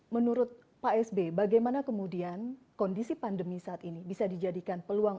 menurut pak sb bagaimana kemudian kondisi pandemi saat ini bisa dijadikan peluang